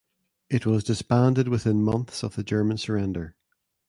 It was disbanded within months of the German surrender.